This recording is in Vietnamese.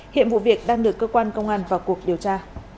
hiện vụ việc đang được cơ quan công an vào cuộc điều tra